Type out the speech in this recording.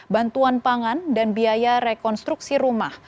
bantuan pangan dan biaya rekonstruksi rumah